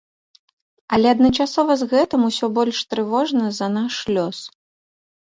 Але адначасова з гэтым усё больш трывожна за наш лёс.